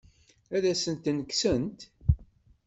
Ad asen-ten-kksent?